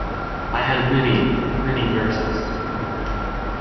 I had many, many verses to it.